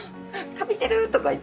「カビてる」とか言って。